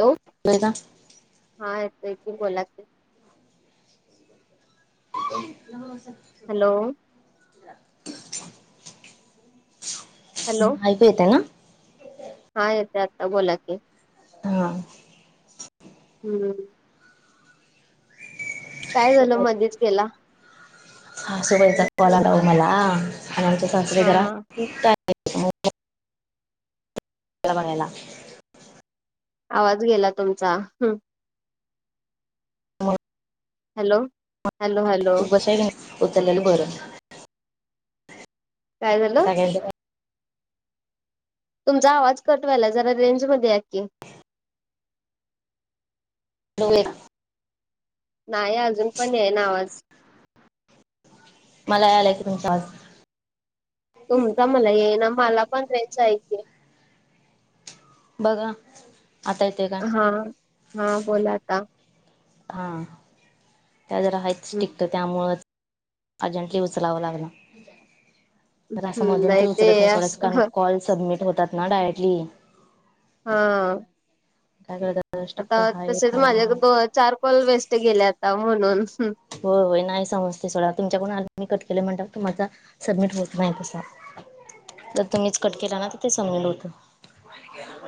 Hello नाय ना हा येतय की बोला की हो सर हॅलो [inaudible] हॅलो ऐकू येत ये ना हा येत आत्ता बोला की? हा हम्म काय झालं? मध्येच केला हा सासूबाईचा कॉल आला वो मला आणि आमच्या सासूबाई हा जरा हा - मला [inaudible] आवाज गेला तुमचा ह ह [inaudible] हॅलो. हॅलो हॅलो तो बसेले उचलेल बरं. काय झाल? ह [inaudible] तुमचा आवाज कट व्हायलाय. जरा रेंज मध्ये या की. [unintelligible] नाही अजून पण येयना आवाज. मला यालाय की तुमचा आवाज. तुमचा मला येयना. मला पण रेज हाय की. बघा आता येतोय का? हा हा बोला आता. हा त्या जरा हायच हम्म स्ट्रीट त्यामुळ अर्जेंटली उचलावं लागला. तर असं हम्म मधून तर ते उचलत नाही अस सोडाच. कारण कॉल सबमिट होतात ना डायरेक्टली. हा. [unintelligible] आता हाय तसेच माझ्या त्यामुळं दो चार कॉल वेस्ट गेले आता. म्हणून. होय होय नाही समजते सोडा. तुमच्याकडून आलय मी कट केले म्हणल्यावर तुम्हाचा सबमिट होत नाही तसा. जर तुम्हीच कट केला ना तर ते सबमिट होत.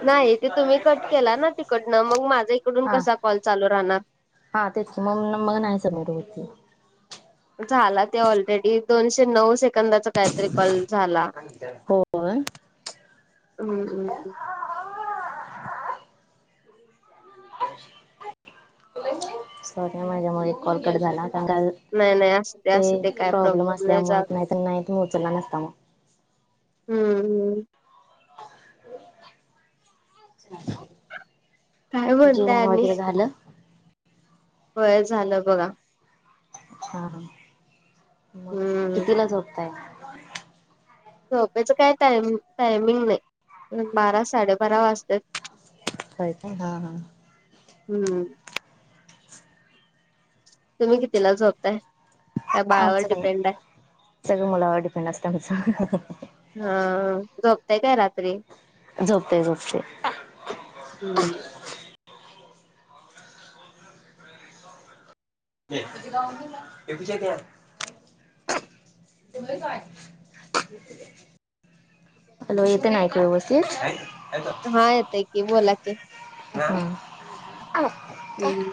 नाही ते तुम्ही कट केला ना तिकडनं. मग माझा इकडून हा कसा कॉल चालू राहणार. हा तेच की. म मग नाही सबमिट होत ते. झाला तो ऑलरेडी. दोनशे नऊ सेकंदाचा काहीतरी कॉल झाला. होय हम्म्म. सॉरी ह. माझ्या मुळ एक कॉलकट झाला. पण काय झा नाही नाही असू दे असू दे ते काय प्रॉब्लेम नाही जा असल्यामुळे. नाहीत नाही उचलला नसता मग. हम्म हम्म. काय म्हणताय जेवण आणि वगैरे झालं? होय झालं बघा. हा हा. मग हम्म कितीला झोपताय? झोपेच काय टायम टायमिंग नाही. बारा साडेबारा वाजत्यात. होय का? हा हा. हम्म. तुम्ही कितीला झोपताय? त्या बाळावर आमचं काय नाही. डिपेंड आहे सगळं मुलावर डिपेंड असतं आमचं. हा झोपताय काय रात्री? झोपते झोपते. हम्म. [inaudible] [inaudible] हॅलो येते ना ऐकू व्यवस्थित? हा येतय की, बोला की. ह. हम्म [inaudible]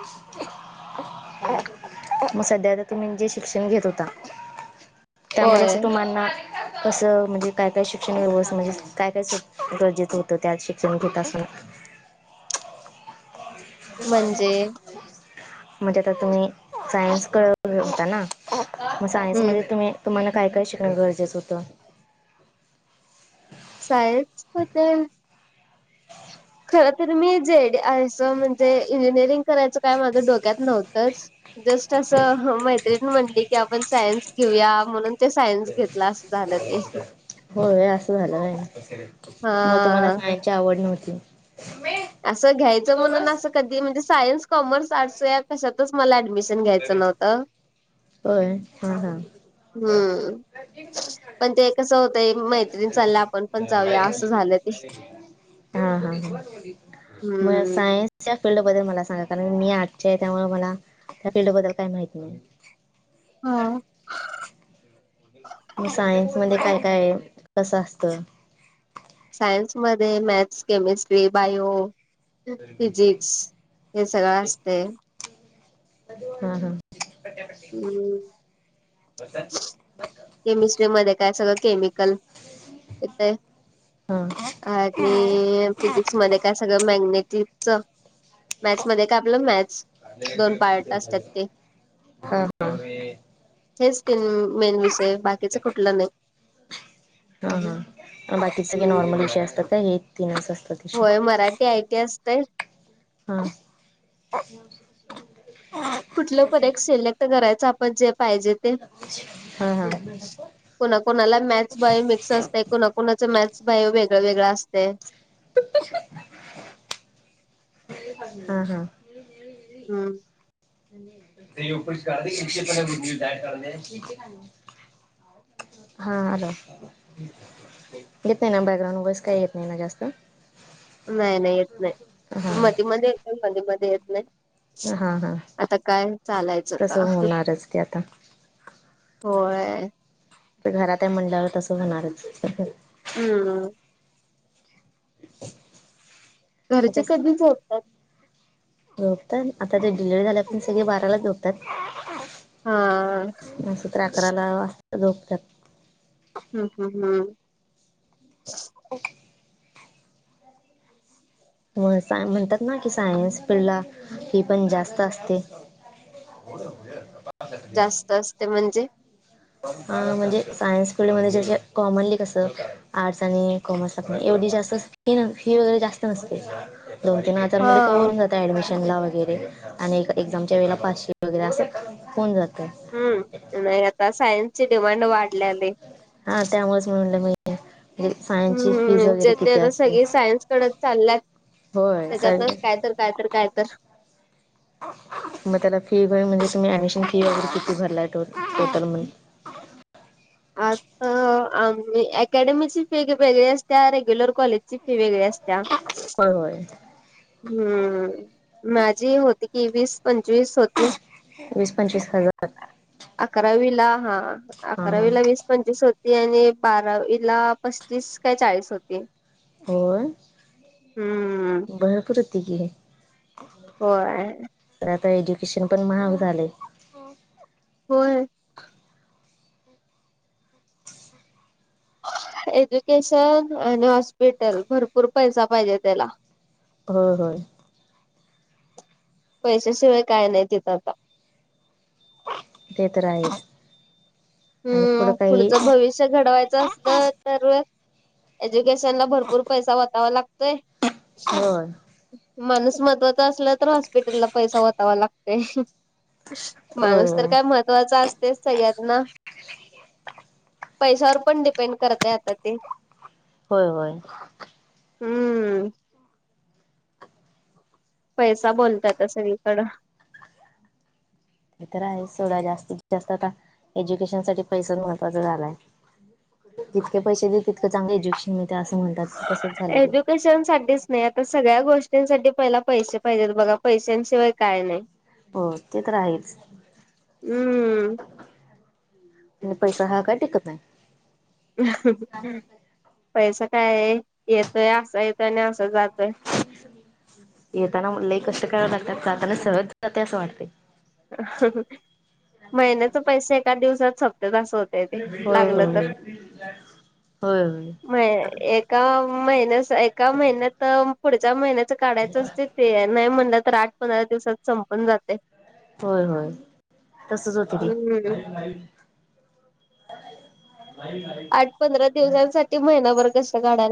मग सध्याता तुम्ही जे शिक्षण घेत होता. त्यामध्ये होय असं तुम्हाना [inaudible] कसं म्हणजे काय काय शिक्षण व्यवस्थ म्हणजे काय काय गरजेचं होतं. त्यात शिक्षण घेेत असताना. म्हणजे म्हणजे आता तुम्ही सायन्स करत होता ना? मग सायन्स हम्म मध्ये तुम्ही तुम्हाला काय काय शिकणं गरजेचं होतं? सायन्स मध्ये खर तररी मी जे डी आयचं म्हणजे इंजिनिअरिंग करायचं काय माझं डोक्यात नव्हतंच. जस्ट असं मैत्रिणी म्हणली की आपण सायन्स घेऊया म्हणून ते सायन्स घेतला असं झालं ते. होय असं झालं होय मग तुम्हाला हा सायन्सची आवड नव्हती? असं घ्यायचं म्हणून असं कधी म्हणजे सायन्स, कॉमर्स, आर्टस या कशातच मला ऍडमिशन घ्याचं नव्हतं. होय हा हा. हम्म.. पण ते कसं होतंय एक मैत्रीण चालल्या आपण पण जाऊया असं झालं ते. हा हा हा मग हम्म. सायनस या फिल्डबद्दल मला सांगा कारण मी आर्ट्सची आहे, त्यामुळे मला त्या फिल्डबद्दल काही माहिती नाही. ह. म सायन्समध्ये काय काय हाय कसं असतं? सायन्स मध्ये मॅथ्स, केमिस्ट्री, बायो, फिजिक्स हे सगळं असतय. हा हा. हम्. [unintelligible] केमिस्ट्री मध्ये काय सगळं केमिकल येतय. हां आणि फिजिक्स मध्ये काय सगळं मॅग्नेटिकच मॅथ्समध्ये काय आपलं मॅथ्स दोन पार्ट असतात ते. हां हां हेच तीन मेन विषय बाकीच कुठलं नाही. हा हा बाकीचे सगळे हम्म नॉर्मल विषय असतात का हे तीनच असतात? विषय होय मराठी आय टी असतय. हा. [inaudible] कुठलं पण एक सिलेक्ट करायचं आपण जे पाहिजे. हा हा. कोणाकुणाला मॅथ्स बायो मिक्स असतय, कोणाकुणाच मॅथ्स बायो वेगळं वेगळं असतय. [unintelligible] हा हा. हम्म. [unintelligible] हा हॅलो येत नाही ना बॅकग्राउंड वाईस काही येत नाही ना जास्त? नाही नाही येत नाही मधी हां मधी येत मधी मध्ये येत नाही. हां हां आता काय चालायचं तसं आता. होणारच ते आता होय. आता घरात आहे म्हणल्यावर तसं होणारच. हम्म. [inaudible] घरचे कधी झोपतात? झोपतात आता ते डिलव्हरी झाल्यापासून ते सगळे बारालाच झोपतात. हा अस तर अकराला [inaudible] झोपतात. हम् हम् हम्. ओके. मग म्हणतात ना की सायन्स फील्डला फी पण जास्त असते. [inaudible] जास्त असते म्हणजे. हा म्हणजे सायन्स फिल्डमध्येध्ये ज कॉमनली कसं आर्ट्स आणि कॉमर्स ला एवढी जास्त फ फी वगैरे जास्त नसते. दोन तीन ह हजारमध्ये कव्हर होउन जातं. ॲडमिशनला वगैरे आणि एक्झामच्या वेळेला पाचशे वगैरे असं होऊन जातं. हम्म नाही आता सायन्स ची डिमांड वाढल्या लय. म्हणूनच म्हणलं मी सायन्स फीज हम्म वगैरे जे ते किती आता असते. सगळे सायन्स कडे चालल्यात होय. त्याच्यातनच काय तर काय तर काय तर [unintelligible] मग त्याला फी व म्हणजे तुम्ही ऍडमिशन फी वगैरे किती भरलाय टोटल मिळून. [inaudible] अकॅडमीची फी वेगळी असत्या रेग्युलर कॉलेजची फी वेगळी असत्या. होय होय. हम्म माझी होती की वीस पंचवीस होती. वीस पंचवीस हजार. अकरावीला हा हां हां अकरावीला वीस पंचवीस होती आणि बारावीला पस्तीस काय चाळीस होती होय, हम्म भरपूर होतं की. वय. तर आता एड्युकेशन पण महाग झाले‌. होय. एज्युकेशन आणि हॉस्पिटल भरपूर पैसा पाहिजे त्याला. होय होय. पैशाशिवाय काय नाही तिथं आता. ते तर आहेच. आणि पुढं हम्म काही पुुढचं भविष्य घडवायचं असलं तर एज्युकेशन ला भरपूर पैसा वटवा लागतोय. होय. माणूस महत्त्वाचा असला तर हॉस्पिटलला पैसा वतावा लागतंय. होय माणूस तर होय काय महत्त्वाचा असतेच सगळ्यातना. पैशावर पण डिपेंड करतय आता ते. होय होय. हम्म. पैसा बोलतातय सगळीकडं. हे तर आहे सोडा जास्तीत जास्त आता एज्युकेशन साठी पैसा महत्त्वाचा झालाय. जितके पैसे देत तितकं चांगलं एज्युकेशन मिते असं म्हणतात कसं एजु पैशांसाठीच नाही आता सगळ्या गोष्टींसाठी पहिला पैसे पाहिजेत बघा पैशांशिवाय काय नाही. हो ते तर आहेच. हम्म पैसा हाय काय टिकतं नाही. पैसा काय येतोय असा येतोय आणि असा जातोय येताना म लई कष्ट कराव लागतात आणि जाताना सहजच जाते असं वाटते. महिन्याचं पैसे एकाच दिवसात सपत्यात अस होतं होय लागलं तर होय होय म होय एक एका महिन्या एका महिन्यात पुढच्या महिन्याच काढायचं असते ते नाही म्हणलं तर आठ पंधरा दिवसात संपून जातय होय होय तसच होतय हम्म ते आठ पंधरा दिवसांसाठी महिनाभर कष्ट काढाय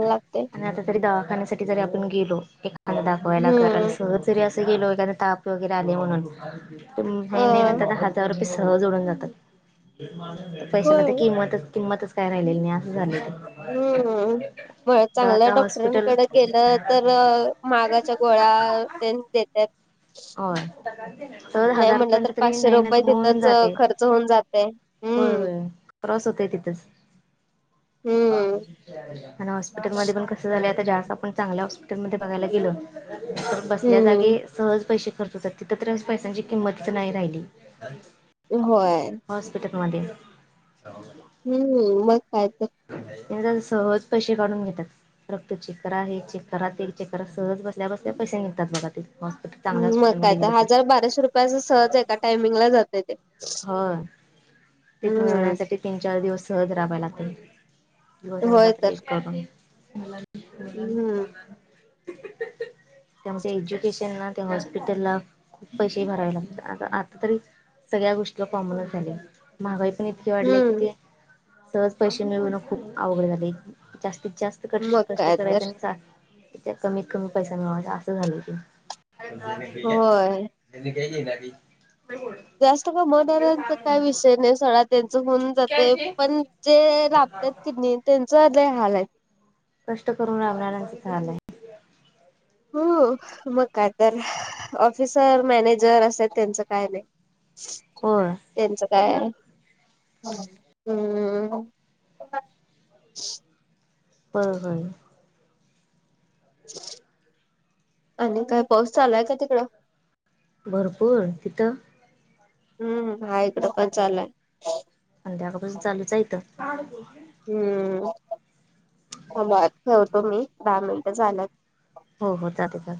आणि आता तरी दवाखान्यासाठी जरी आपण गेलो एखादा दाखवायला कराला हम्म सहज जरी अस गेलो एखादा ताप वगैरे आले म्हणून नाही नाही अ म्हणताना ह जार रुपये सहज उडून जातात पैशाला होय तर किंमत किंमतच काय राहिलेली नाही असं झालंय ते मग चांगल्या डॉक्टरांकडे गेलं तर महागाच्या गोळ्या तेन देत त्यात होय सहज नाही म्हटलं हजारपर्यंत तर तरी नाही पाचशे नाही रुपये म्हणेपरेंत तिथंच अ, जातय खर्च होऊन जातय. होय हम्म होय त्रास होतोय तिथचं हम्म आणि हॉस्पिटल मध्ये पण कस झालंय आता जास्त आप ण चांगल्या हॉ स्पिटल मध्ये बघायला गेलं तर बसल्या हम्म जागी सहज पैशे खर्च होतात तिथं तर पैशांची किंमतच नाही राहिली. होय हॉस्पिटलमध्ये हम्म मग काय तर तेनी तर सहज पैसे काढून घेतात. रक्त चेक करा हे चेक करा ते चेक करा सहज बसल्या बसल्या पैसे निघतात बघा तिथं पण मग काय तर हजार बाराशे रुपये असं सहज एका टायमिंगला जातय ते हं तेच हम्म मिळवण्यासाठी तीन-चार दिवस सहज राबाय लागतय भजन होय रात्री तर एक करून हम्म [inaudible] त्यामूळे त्या एज्युकेशन ना त्या हॉस्पिटलला खूप पैसेही भरावे लागतात आ आता तरी सगळ्या गोष्टी कॉमनच झालंय महागाई पण इतकी वाढल्या कि हम्म ती सहज पैशे मिळवनं खूप अवघड झालय जास्तीत जास्त क मग कष्ट काय करायच तर आणि त त्या कमीत कमी पैसा मिळवायचा असं झालंय ते होय. [unintelligible] जास्त कमवणाऱ्यांचं काय विषय नाही सोडा त्यांचं होऊन जातय पण जे राबत्यात की नाही त्यांचं लई हाल आहेत कष्ट करून राबणाऱ्यांचंच हाल हाय हं मग काय तर ऑफिसर मॅनेजर असत्यात त्यांचं काय नाही ह [inaudible] होय त्यांचं काय हम्म होय होय आणि काय पाऊस चालू हाय काय तिकडं? भरपूर तिथं हम्म हाय इथं पण चालू हाय संध्याकाळ पासून चालूच यथं. हम्म ठेवतो मी दहा मिनिट झालेत. हो हो चालतं